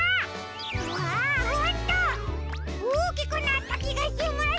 うわホントおおきくなったきがします！